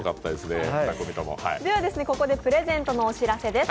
ここでプレゼントのお知らせです。